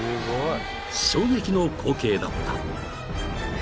［衝撃の光景だった］